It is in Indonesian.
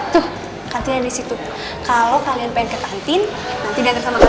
tuh kantin disitu kalau kalian pengen ke kantin nanti datang sama katora ya